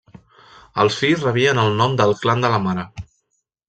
Els fills rebien el nom del clan de la mare.